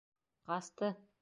Ҡасты?